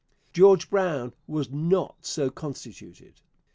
George Brown was not so constituted.